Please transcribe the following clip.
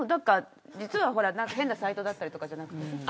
実は変なサイトだったりとかじゃなくて。